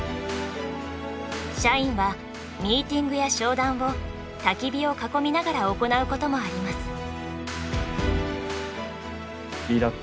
社員はミーティングや商談をたき火を囲みながら行うこともあります。